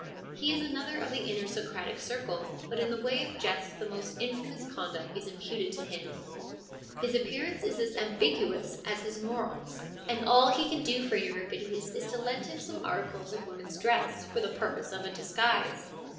He is another of the inner Socratic Circle, but in the way of jest the most infamous conduct is imputed to him : his appearance is as ambiguous as his morals, and all he can do for 156 FEMINISM IN GREEK LITERATURE Euripides is to lend him some articles of women's dress for the purpose of a disguise.